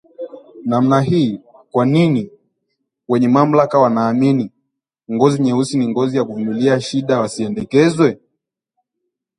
namna hii Kwa nini wenye mamlaka wanaamini ngozi nyeusi ni ngozi ya kuvumilia shida Wasiendekezwe!